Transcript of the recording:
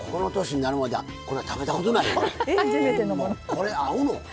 これ合うの？